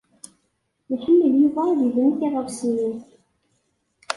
Iḥemmel Yuba ad yebnu tiɣawsiwin.